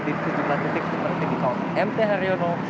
di sejumlah titik seperti di kawasan mt haryono